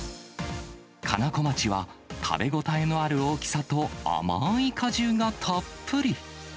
かなこまちは、食べ応えのある大きさと甘ーい果汁がたっぷり。